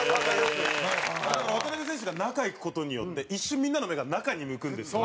副島：あれ、だから、渡邊選手が中、行く事によって、一瞬みんなの目が中に向くんですよ。